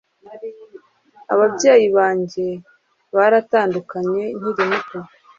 Ababyeyi banjye baratandukanye nkiri muto